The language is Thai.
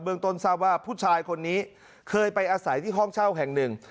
ต้นทราบว่าผู้ชายคนนี้เคยไปอาศัยที่ห้องเช่าแห่งหนึ่ง